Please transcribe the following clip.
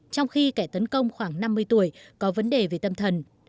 trong khi kẻ tấn công khoảng năm mươi tuổi có vấn đề về tâm thần